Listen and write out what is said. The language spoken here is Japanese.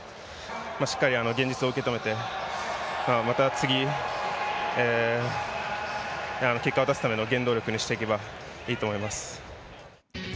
しっかり現実を受け止めて、また次、結果を出すための原動力にしていけばいいと思います。